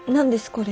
これ。